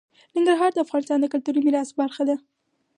ننګرهار د افغانستان د کلتوري میراث برخه ده.